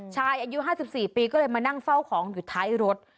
ชายอายุ๕๔ปีมานั่งเฝ้าของอยู่ในรถ